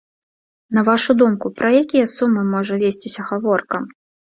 На вашу думку, пра якія сумы можа весціся гаворка?